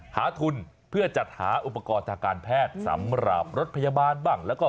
หาทุนเพื่อจัดหาอุปกรณ์ทางการแพทย์สำหรับรถพยาบาลบ้างแล้วก็